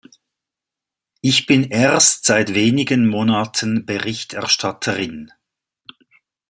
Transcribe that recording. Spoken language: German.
Ich bin erst seit wenigen Monaten Berichterstatterin.